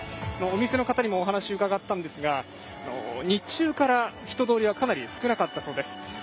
お店の方にもお話伺ったんですが日中から人通り、かなり少なかったそうです。